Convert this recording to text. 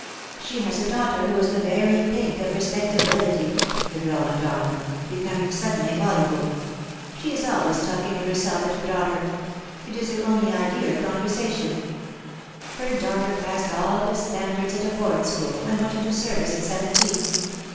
"She has a daughter who is the very pink of respectability," the girl went on, becoming sud denly voluble. "She is 3.1ways talking of herself DEAD LOVE HAS CHAINS. %^ and her daughter. It is her only idea of conver sation. Her daughter passed all the standards at a Board School, and went into service at seven teen.